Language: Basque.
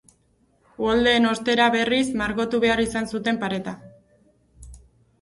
Uholdeen ostera berriz margotu behar izan zuten pareta.